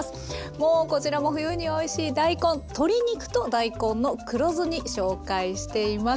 もうこちらも冬においしい大根「鶏肉と大根の黒酢煮」紹介しています。